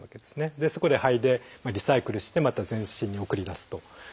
でそこで肺でリサイクルしてまた全身に送り出すと。